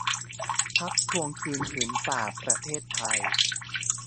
พรรคทวงคืนผืนป่าประเทศไทย